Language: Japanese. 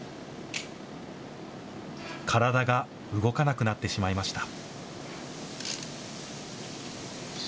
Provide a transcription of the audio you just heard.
体が動かなくなってしまいました。